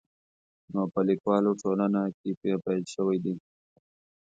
نو په لیکوالو ټولنه کې پیل شوی دی.